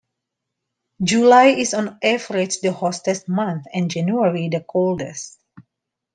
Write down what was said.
July is on average the hottest month and January the coldest.